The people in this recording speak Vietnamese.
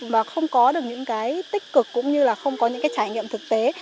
và không có được những cái tích cực cũng như là không có những cái trải nghiệm thực tế